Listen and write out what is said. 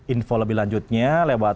info lebih lanjutnya lewat